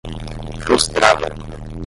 frustrada